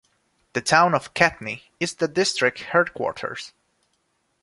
The town of Katni is the district headquarters.